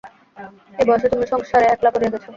এই বয়সে তুমি সংসারে একলা পড়িয়া গেছ।